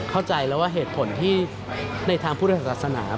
เข้าใจแล้วว่าเหตุผลที่ในทางพุทธศาสนา